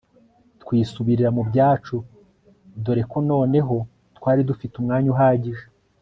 twisubirira mubyacu doreko noneho twari dufite umwanya uhagije